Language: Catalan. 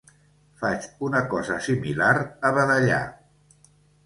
Faig una cosa similar a vedellar.